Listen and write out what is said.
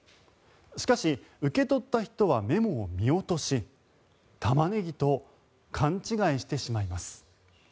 しかし受け取った人はメモを見落としタマネギと勘違いしてしまいます。